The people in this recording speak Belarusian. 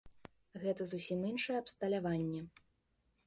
Гэта зусім іншае абсталяванне.